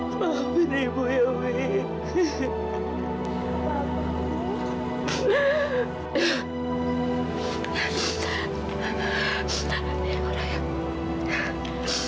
tidak ada yang boleh